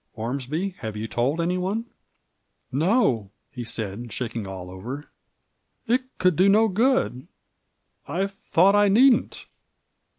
Ormsby, have you told any one ?" "No," he said, shaking all over; "it could do no good I thought I needn't."